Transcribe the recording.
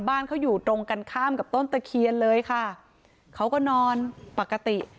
บ้านเขาอยู่ตรงกันข้ามกับต้นตะเคียนเลยค่ะเขาก็นอนปกติ